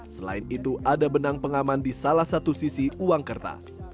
selain itu ada benang pengaman di salah satu sisi uang kertas